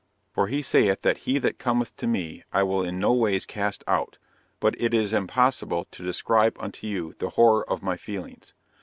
For he saith, that he that cometh to me I will in no ways cast out. But it is impossible to describe unto you the horror of my feelings.